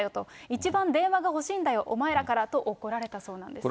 一番電話が欲しいんだよ、お前らからと怒られたそうなんです。